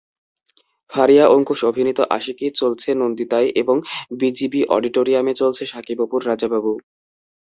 ফারিয়া-অঙ্কুশ অভিনীত আশিকী চলছে নন্দিতায় এবং বিজিবি অডিটোরিয়ামে চলছে শাকিব-অপুর রাজা বাবু।